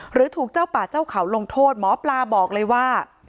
หรือถูกเจ้าป่าเจ้าเขาลงโทษหมอปลาบอกเลยว่า